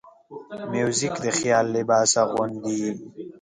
موزیک د خیال لباس اغوندي.